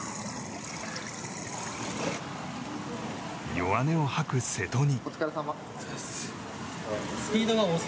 弱音を吐く瀬戸に。